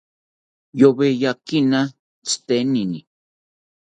Yoweyakini tzitenini